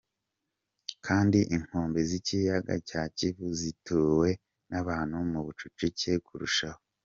Kandi inkombe z'ikiyaga cya Kivu zo zituwe n'abantu mu bucucike kurushaho.